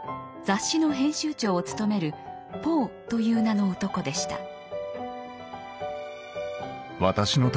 雑誌の編集長を務めるポーという名の男でした。